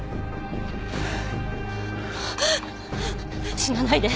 死なないで。